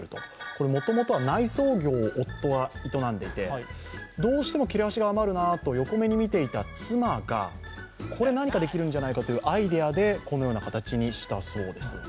これもともとは内装業を営んでいてどうしても切れ端が余るなと横目で見ていた妻がこれ、何かできるんじゃないかというアイデアでこのような形にしたそうです。